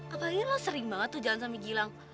apalagi lo sering banget tuh jalan sama gilang